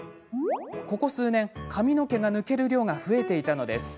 ここ数年、髪の毛が抜ける量が増えていたのです。